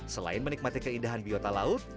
selain menikmati keindahan biota laut